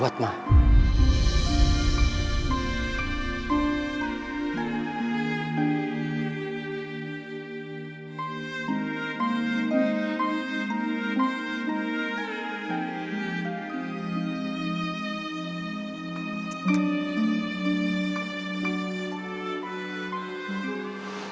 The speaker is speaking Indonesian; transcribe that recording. biasa buat ma